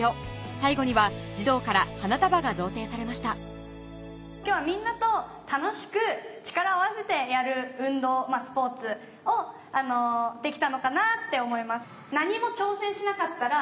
最後には児童から花束が贈呈されました今日はみんなと楽しく力を合わせてやる運動スポーツをできたのかなって思います。